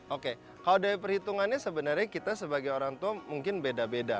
oke kalau dari perhitungannya sebenarnya kita sebagai orang tua mungkin beda beda